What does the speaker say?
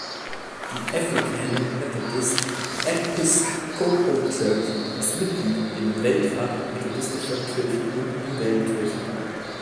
Die African Methodist Episcopal Church ist Mitglied im Weltrat methodistischer Kirchen und im Weltkirchenrat.